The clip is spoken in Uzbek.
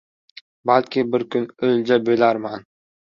Balki bir kun o‘lja bo‘larman.